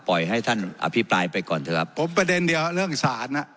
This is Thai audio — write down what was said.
ให้ท่านอภิปรายไปก่อนเถอะครับผมประเด็นเดียวเรื่องศาลน่ะ